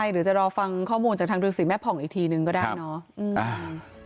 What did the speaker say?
หรือจะรอฟังข้อมูลจากทางฤษีแม่ผ่องอีกทีนึงก็ได้เนาะ